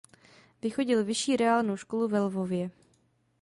Vychodil vyšší reálnou školu ve Lvově.